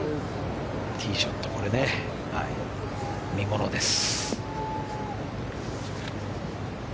ティーショット、これね見ものです。